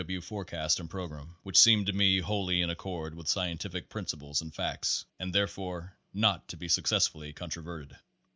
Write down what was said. W. forecast and program, which seem to me wholly in accord with scientific principles and facts, and therefore not to be successfully controverted.